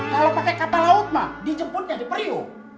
kalau pakai kapal laut mah dijemputnya diperiuk